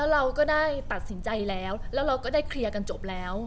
เราก็ได้ตัดสินใจแล้วแล้วเราก็ได้เคลียร์กันจบแล้ว